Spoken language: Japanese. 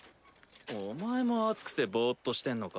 お前も暑くてボっとしてんのか？